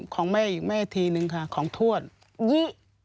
ของแม่อีกแทนีนึงค่ะของวรุฤษฐรียี่